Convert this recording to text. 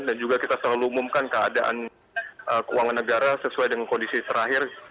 dan juga kita selalu umumkan keadaan keuangan negara sesuai dengan kondisi terakhir